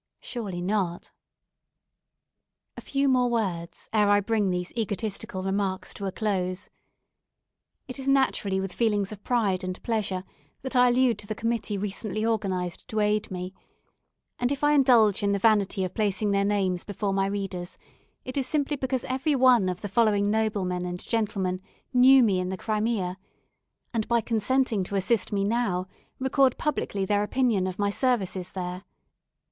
Surely not. A few words more ere I bring these egotistical remarks to a close. It is naturally with feelings of pride and pleasure that I allude to the committee recently organized to aid me; and if I indulge in the vanity of placing their names before my readers, it is simply because every one of the following noblemen and gentlemen knew me in the Crimea, and by consenting to assist me now record publicly their opinion of my services there.